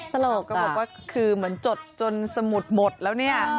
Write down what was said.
ตลกก็บอกว่าคือเหมือนจดจนสมุดหมดแล้วเนี่ย